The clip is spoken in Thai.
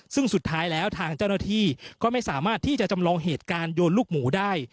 ซึ่งสุดท้ายแล้วทางเจ้าหน้าที่ก็ไม่สามารถที่จะจำลองเหตุการณ์โยนลูกหมูได้